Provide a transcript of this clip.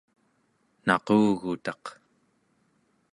naqugutaq